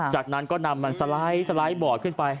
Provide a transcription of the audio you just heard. จากนั้นก็นำมันสไลด์บอร์ดขึ้นไป